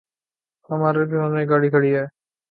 عمارت کے سامنے ایک گاڑی کھڑی ہے